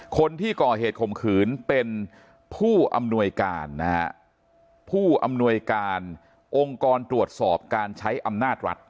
คนที่ก่อเหตุข่มขืนเป็นผู้อำนวยการนะฮะผู้อำนวยการองค์กรตรวจสอบการใช้อำนาจรัฐ